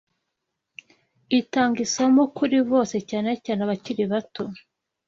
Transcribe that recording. Itanga isomo kuri bose, cyane cyane abakiri bato